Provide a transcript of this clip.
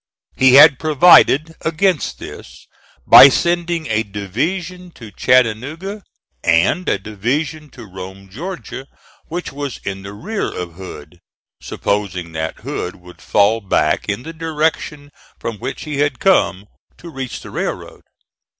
He had provided against this by sending a division to Chattanooga and a division to Rome, Georgia, which was in the rear of Hood, supposing that Hood would fall back in the direction from which he had come to reach the railroad.